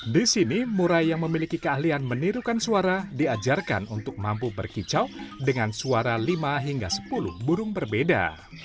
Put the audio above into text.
di sini murai yang memiliki keahlian menirukan suara diajarkan untuk mampu berkicau dengan suara lima hingga sepuluh burung berbeda